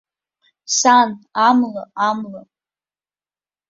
Сан, амла, амла!